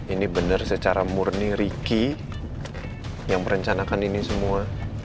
ini benar secara murni ricky yang merencanakan ini semua